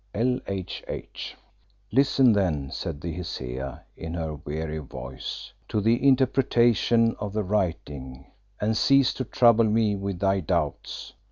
L. H. H. "Listen then," said the Hesea, in her weary voice, "to the interpretation of the writing, and cease to trouble me with thy doubts.